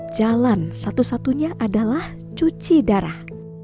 jalan satu satunya adalah cuci darah